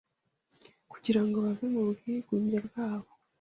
kugira ngo bave mu bwigunge bwabo